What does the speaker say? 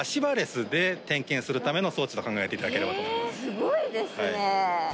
すごいですね！